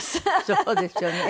そうですよね。